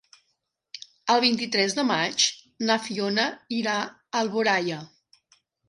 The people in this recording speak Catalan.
El vint-i-tres de maig na Fiona irà a Alboraia.